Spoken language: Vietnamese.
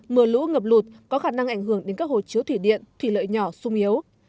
mưa lũ ngập lụt có khả năng ảnh hưởng đến các hồ chứa thủy điện thủy lợi nhỏ sung yếu